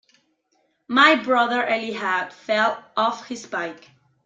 My brother Elijah fell off his bike.